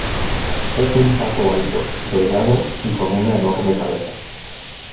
Es un pato alto, delgado y con una enorme cabeza.